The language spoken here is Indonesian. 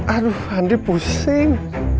aduh andri pusing